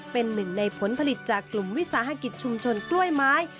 เป็นหนึ่งในผลผลิตจากกลุ่มวิสาหกิจชุมชนกล้วยไม้